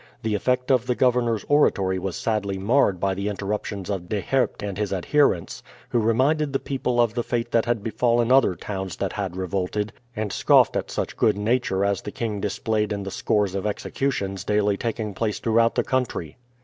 The effect of the governor's oratory was sadly marred by the interruptions of De Herpt and his adherents, who reminded the people of the fate that had befallen other towns that had revolted, and scoffed at such good nature as the king displayed in the scores of executions daily taking place throughout the country.